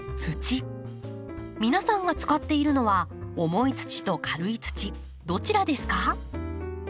皆さんが使っているのは重い土と軽い土どちらですか？